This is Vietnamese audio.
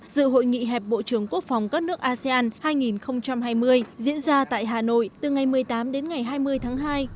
dự hội nghị hẹp bộ trưởng quốc phòng các nước asean hai nghìn hai mươi diễn ra tại hà nội từ ngày một mươi tám đến ngày hai mươi tháng hai